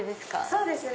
そうですね。